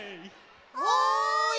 ・おい！